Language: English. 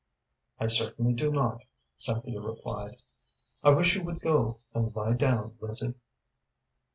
"I certainly do not," Cynthia replied. "I wish you would go and lie down, Lizzie."